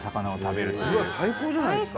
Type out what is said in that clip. うわっ最高じゃないですか。